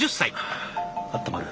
ああったまる。